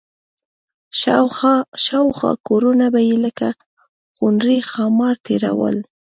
شاوخوا کورونه به یې لکه خونړي ښامار تېرول.